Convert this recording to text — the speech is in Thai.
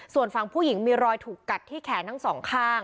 ส่วนฝั่งผู้หญิงมีรอยถูกกัดที่แขนทั้งสองข้าง